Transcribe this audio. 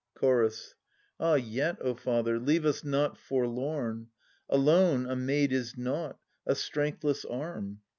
Chorus. Ah yet, O father, leave us not forlorn ! Alone, a maid is nought, a strengthless arm.